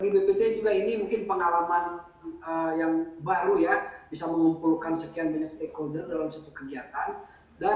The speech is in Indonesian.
bgpt juga ini mungkin pengalaman yang baru ya